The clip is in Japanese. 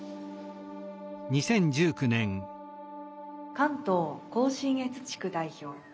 関東甲信越地区代表。